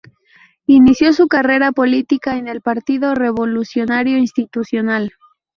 Inició su carrera política en el Partido Revolucionario Institucional.